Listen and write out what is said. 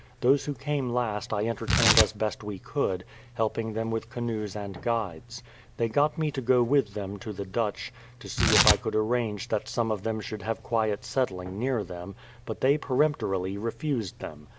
Those who came last I entertained as best we could, helping them with canoes and guides. They got me to go with them to the Dutch, to see if I could arrange that some of them should have quiet setthng near them ; but they peremptorily refused them.